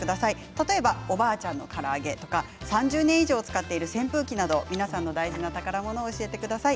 例えば、おばあちゃんのから揚げ３０年以上使っている扇風機など皆さんの大事な宝物を教えてください。